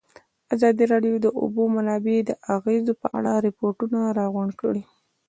ازادي راډیو د د اوبو منابع د اغېزو په اړه ریپوټونه راغونډ کړي.